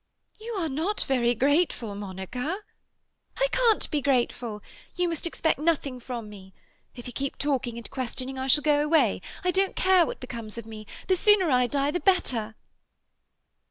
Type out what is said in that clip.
"You are not very grateful, Monica." "I can't be grateful! You must expect nothing from me. If you keep talking and questioning I shall go away. I don't care what becomes of me. The sooner I die the better."